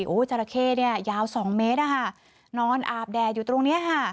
โอ้โฮเจอรมนี่อย่าว๒เมตรนอนอาบแดดอยู่ตรงนี้